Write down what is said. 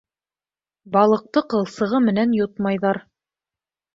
Балыҡты ҡылсығы менән йотмайҙар.